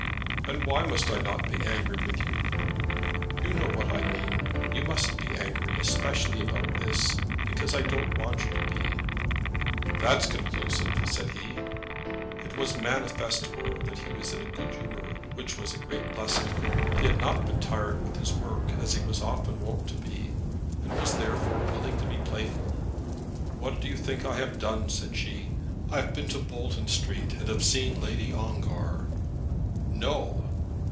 "And why must I not be angry with you?" "You know what I mean. You mustn't be angry especially about this, because I don't want you to be." "That's conclusive," said he. It was manifest to her that he was in a good humour, which was a great blessing. He had not been tried with his work as he was often wont to be, and was therefore willing to be playful. "What do you think I've done?" said she. "I have been to Bolton Street and have seen Lady Ongar." "No!"